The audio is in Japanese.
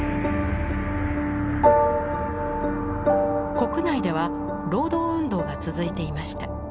国内では労働運動が続いていました。